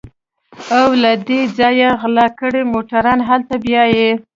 او له دې ځايه غلا کړي موټران هلته بيايي.